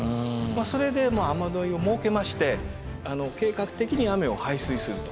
それで雨を設けまして計画的に雨を排水すると。